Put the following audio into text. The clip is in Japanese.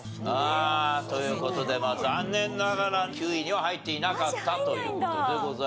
ああという事で残念ながら９位には入っていなかったという事でございます。